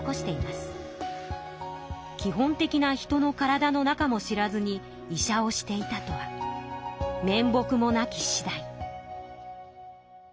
「基本的な人の体の中も知らずに医者をしていたとは面目もなきしだい」。